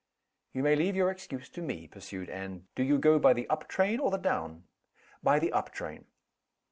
"You may leave your excuse to me," pursued Anne. "Do you go by the up train, or the down?" "By the up train."